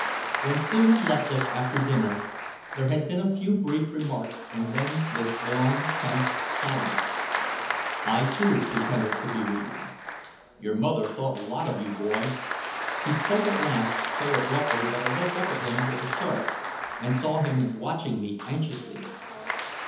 When Sue had left us after dinner, there had been a few brief remarks and then this long tense silence. I, too, pretended to be reading. "Your mother thought a lot of you, boy." He spoke at last so abruptly that I looked up at him with a start, and saw him watching me anxiously.